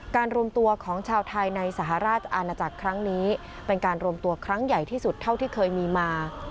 รวมตัวของชาวไทยในสหราชอาณาจักรครั้งนี้เป็นการรวมตัวครั้งใหญ่ที่สุดเท่าที่เคยมีมา